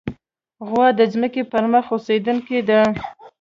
غوا د ځمکې پر مخ اوسېدونکې ده.